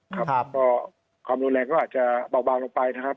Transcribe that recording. ครับก็ความรุนแรงก็อาจจะเบาลงไปนะครับ